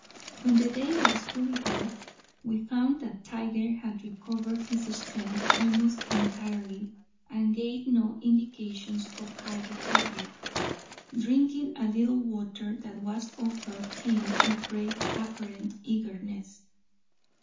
When the day was fully broke, we found that Tiger had recovered his strength almost entirely, and gave no indications of hydrophobia, drinking a little water that was offered him with great apparent eagerness.